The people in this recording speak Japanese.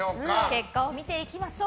結果を見ていきましょう。